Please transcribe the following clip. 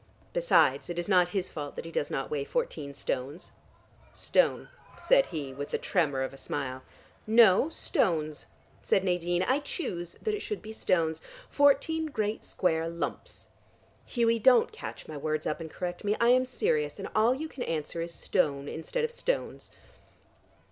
Besides, it is not his fault that he does not weigh fourteen stones " "Stone," said he with the tremor of a smile. "No, stones," said Nadine. "I choose that it should be stones: fourteen great square lumps. Hughie, don't catch my words up and correct me. I am serious and all you can answer is 'stone' instead of 'stones.'"